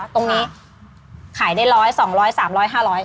ตรงนี้ขายได้ร้อยสองร้อยสามร้อยห้าร้อย